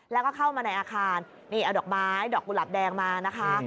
แล้วก็เข้ามาในอาคารนี่เอาดอกไม้ดอกกุหลับแดงมานะคะ